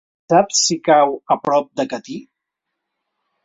Saps si cau a prop de Catí?